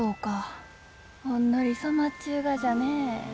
ほんのり染まっちゅうがじゃね。